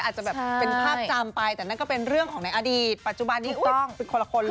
อาจจะแบบเป็นภาพจำไปแต่นั่นก็เป็นเรื่องของในอดีตปัจจุบันนี้ถูกต้องเป็นคนละคนเลย